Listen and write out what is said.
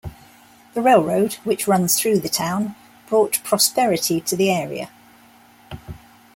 The railroad, which runs through the town, brought prosperity to the area.